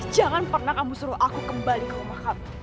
jangan pernah kamu suruh aku kembali ke rumah kami